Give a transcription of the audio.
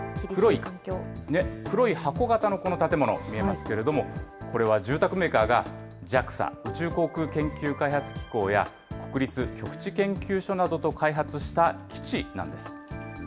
黒い箱形のこの建物、見えますけれども、これは住宅メーカーが、ＪＡＸＡ・宇宙航空研究開発機構や、国立極地研究所などと開発した基地なんです。